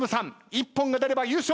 一本が出れば優勝。